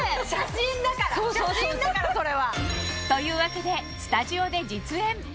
写真だからそれは！というわけでスタジオで実演